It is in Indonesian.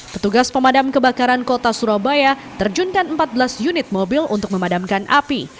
petugas pemadam kebakaran kota surabaya terjunkan empat belas unit mobil untuk memadamkan api